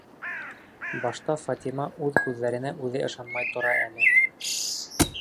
Башта Фатима үҙ күҙҙәренә үҙе ышанмай тора әле.